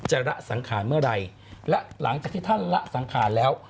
ระสังขารเมื่อไหร่และหลังจากที่ท่านละสังขารแล้ว